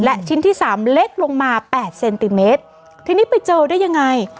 และชิ้นที่สามเล็กลงมาแปดเซนติเมตรทีนี้ไปเจอได้ยังไง